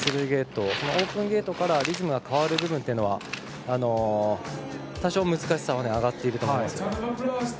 オープンゲートからリズムが変わる部分というのは多少、難しさは上がっていると思います。